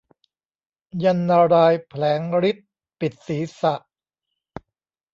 ยันต์นารายณ์แผลงฤทธิ์ปิดศรีษะ